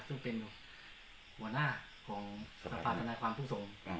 ซึ่งเป็นหัวหน้าของสภาษณะความผู้สม